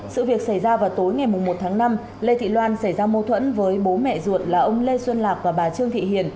sự việc xảy ra vào tối ngày một tháng năm lê thị loan xảy ra mâu thuẫn với bố mẹ ruột là ông lê xuân lạc và bà trương thị hiền